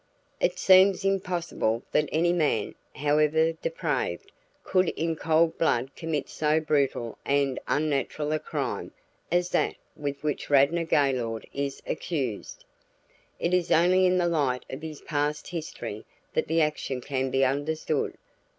"It seems impossible that any man, however depraved, could in cold blood commit so brutal and unnatural a crime as that with which Radnor Gaylord is accused. It is only in the light of his past history that the action can be understood.